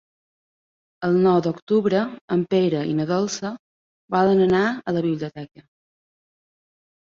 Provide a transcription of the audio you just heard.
El nou d'octubre en Pere i na Dolça volen anar a la biblioteca.